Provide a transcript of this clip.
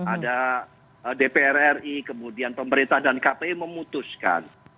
ada dpr ri kemudian pemerintah dan kpu memutuskan